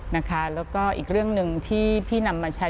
แล้วก็อีกเรื่องหนึ่งที่พี่นำมาใช้